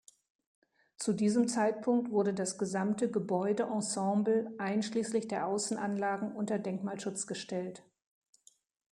Zu diesem Zeitpunkt wurde das gesamte Gebäudeensemble einschließlich der Außenanlagen unter Denkmalschutz gestellt.